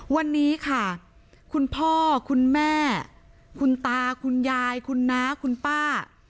วันนี้ค่ะคุณพ่อคุณแม่คุณตาคุณยายคุณน้าคุณป้า